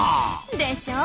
でしょ？